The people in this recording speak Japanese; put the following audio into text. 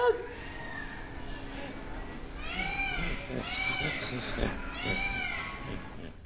さあどうなんだ？